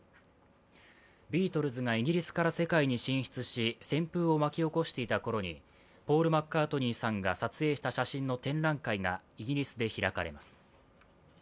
ビートルズがイギリスから世界に進出し旋風を巻き起こしていたころに、ポール・マッカートニーさんが撮影した写真の展覧会がイギリスで開かれます。